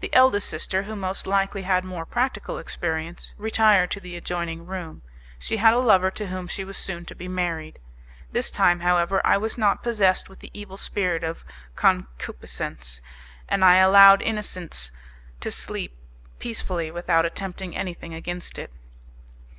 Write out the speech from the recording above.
The eldest sister, who most likely had more practical experience, retired to the adjoining room; she had a lover to whom she was soon to be married. This time, however, I was not possessed with the evil spirit of concupiscence, and I allowed innocence to sleep peacefully without attempting anything against it.